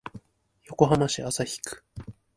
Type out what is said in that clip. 横浜市旭区